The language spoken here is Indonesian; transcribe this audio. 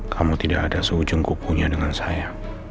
kamu tidak ada seujung kukunya dengan saya